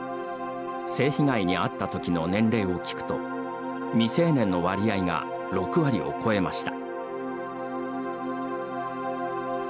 性被害に遭ったときの年齢を聞くと未成年の割合が６割を超えました。